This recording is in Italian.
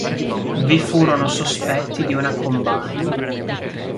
Vi furono sospetti di una "combine".